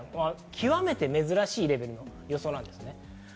極めて珍しいレベルの予想です。